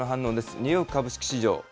ニューヨーク株式市場。